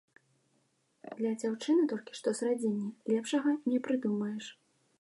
Для дзяўчыны толькі што з радзільні лепшага не прыдумаеш.